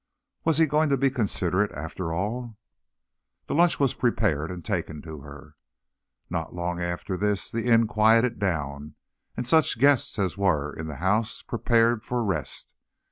Was he going to be considerate, after all? The lunch was prepared and taken to her. Not long after this the inn quieted down, and such guests as were in the house prepared for rest.